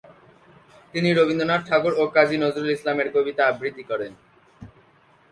তিনি রবীন্দ্রনাথ ঠাকুর ও কাজী নজরুল ইসলাম এর কবিতা আবৃত্তি করেন।